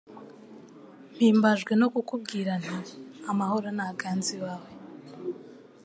mpimbajwe no kukubwira nti Amahoro naganze iwawe